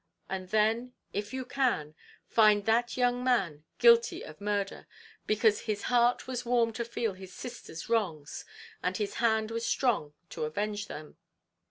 and then, if you can, find that young man guilty of murder, because his heart was warm to feel his sister's wrongs and his hand was strong to avenge them.